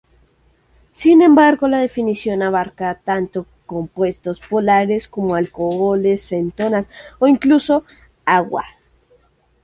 Sin embargo, la definición abarca tanto compuestos polares como alcoholes, cetonas o incluso agua.